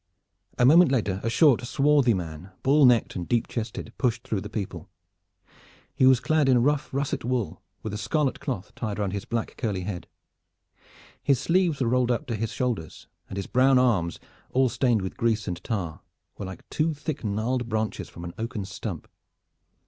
A moment later a short swarthy man, bull necked and deep chested, pushed through the people. He was clad in rough russet wool with a scarlet cloth tied round his black curly head. His sleeves were rolled up to his shoulders, and his brown arms, all stained with grease and tar, were like two thick gnarled branches from an oaken stump.